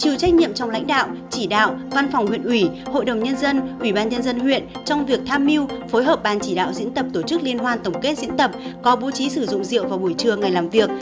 chịu trách nhiệm trong lãnh đạo chỉ đạo văn phòng huyện ủy hội đồng nhân dân ủy ban nhân dân huyện trong việc tham mưu phối hợp ban chỉ đạo diễn tập tổ chức liên hoan tổng kết diễn tập có bố trí sử dụng rượu vào buổi trưa ngày làm việc